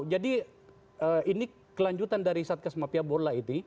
jadi ini kelanjutan dari satgas mafia bola ini